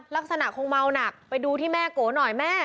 ลักษณะคงเมาหนักไปดูที่แม่โกหน่อยแม่